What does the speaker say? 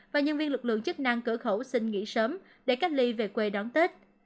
và nhân viên lực lượng chức năng cửa khẩu xin nghỉ sớm để cách ly về quê đón tết